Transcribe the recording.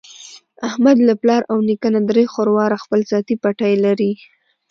احمد له پلار او نیکه نه درې خرواره خپل ذاتي پټی لري.